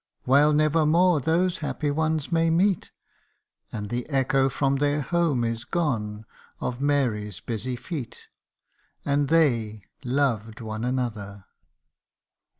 while never more those happy ones may meet ; And the echo from her home is gone of Mary's busy feet : And they loved one another